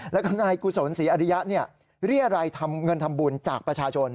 แล้วก็นายกุศลศรีอริยะเรียรัยทำเงินทำบุญจากประชาชน